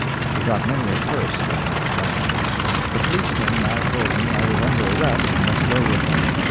He got many a curse when he was gone. The policemen now told me I was under arrest and must go with them.